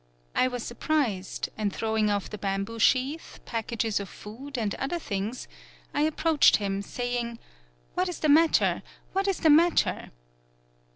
I was surprised, and throwing off the bamboo sheath pack ages of food and other things I ap proached him, saying: 'What is the matter ! What is the matter